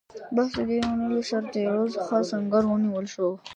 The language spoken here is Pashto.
بس د دې اوونۍ له سرتېرو څخه سنګر ونیول شو.